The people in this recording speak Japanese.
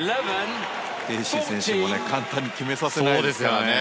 テイ・シイ選手も簡単に決めさせないですからね。